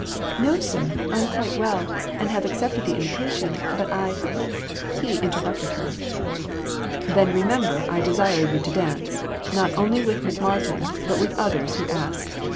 " No, sir ; I am quite well, and have accepted the invitation ; but I" He interrupted her. "Then remember I desire you to dance; not only with McMartin, but with others who ask.